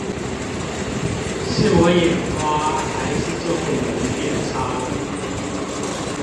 是我眼花還是中文變差了？